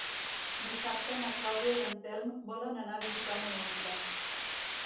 Dissabte na Clàudia i en Telm volen anar a visitar mon oncle.